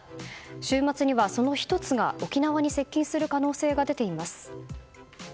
週末には、その１つが沖縄に接近する可能性が出ています。